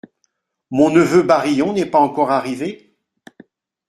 Mon neveu Barillon n’est pas encore arrivé ?